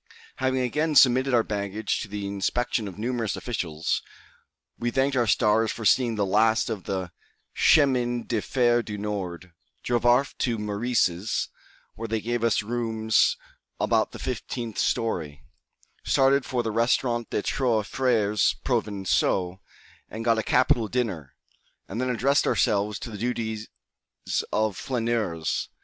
Having again submitted our baggage to the inspection of numerous officials, we thanked our stars for seeing the last of the Chemin de Fer du Nord, drove off to Meurice's, where they gave us rooms about the fifteenth story, started for the Restaurant des Trois Frères Provençaux, and got a capital dinner, and then addressed ourselves to the duties of flaneurs.